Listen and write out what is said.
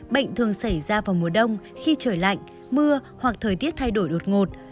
bệnh thường xảy ra vào mùa đông khi trời lạnh mưa hoặc thời tiết thay đổi đột ngột